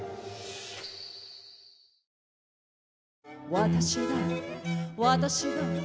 「私だ私だ」